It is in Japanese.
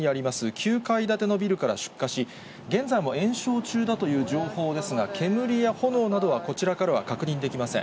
９階建てのビルから出火し、現在も延焼中だという情報ですが、煙や炎などはこちらからは確認できません。